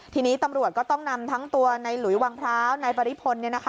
ทีนี้ตำรวจก็ต้องนำทั้งตัวในหลุยวังพร้าวในบริษฐภัณฑ์